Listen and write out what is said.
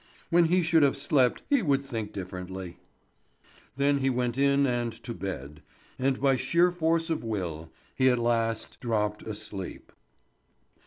When he should have slept he would think differently. Then he went in and to bed, and by sheer force of will he at last dropped asleep.